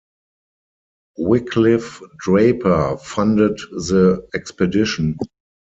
Wickliffe Draper funded the expedition.